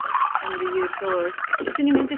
‘And you told a deliberate untruth!’ he said.